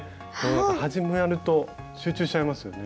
始まると集中しちゃいますよね。